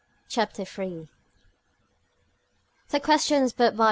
CHAPTER III The questions put by M.